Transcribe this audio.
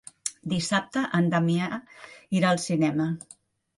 Dissabte en Damià irà al cinema.